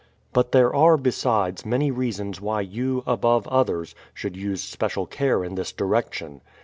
But there are, besides, many reasons W'hy you, above others, should use special care in this direction.